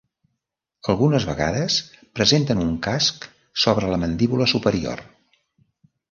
Algunes vegades presenten un casc sobre la mandíbula superior.